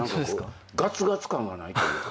ガツガツ感がないというか。